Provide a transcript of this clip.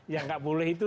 yang gak boleh itu